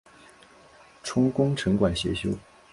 充功臣馆协修。